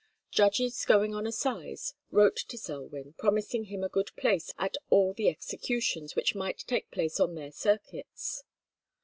Judges going on assize wrote to Selwyn, promising him a good place at all the executions which might take place on their circuits.